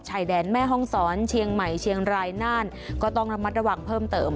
ชายแดนแม่ห้องศรเชียงใหม่เชียงรายน่านก็ต้องระมัดระวังเพิ่มเติม